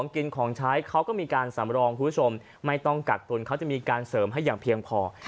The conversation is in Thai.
กินของใช้ก็มีการสำรองไม่ต้องกัดตุลมีการเสริมให้อย่างเพียงพอ